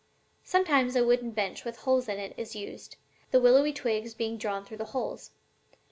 Sometimes a wooden bench with holes in it is used, the willow twigs being drawn through the holes.